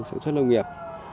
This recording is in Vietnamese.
sản xuất lông nghiệp